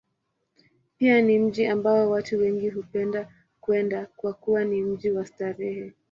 Pia ni mji ambao watu wengi hupenda kwenda, kwa kuwa ni mji wa starehe.